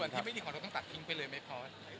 ส่วนที่ไม่ดีของเราต้องตัดทิ้งไปเลยไหมพร้อม